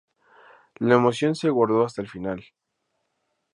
La emoción se guardó hasta el final.